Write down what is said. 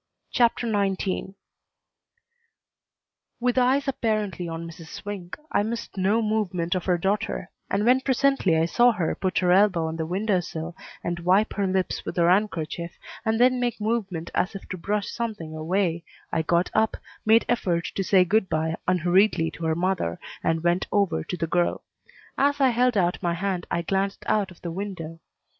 CHAPTER XIX With eyes apparently on Mrs. Swink, I missed no movement of her daughter, and when presently I saw her put her elbow on the window sill and wipe her lips with her handkerchief, and then make movement as if to brush something away, I got up, made effort to say good by unhurriedly to her mother, and went over to the girl. As I held out my hand I glanced out of the window.